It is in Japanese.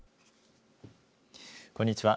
こんにちは。